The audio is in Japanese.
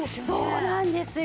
そうなんですよ。